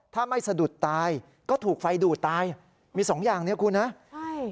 ถ้าไม่สะดุดตายก็ถูกไฟดูดตายมีสองอย่างเนี่ยคุณนะใช่